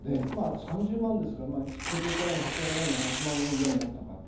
３０万ですから政党からの支払いも１００万円ぐらいになったのかなと。